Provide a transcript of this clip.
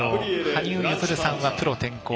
羽生結弦さんはプロ転向。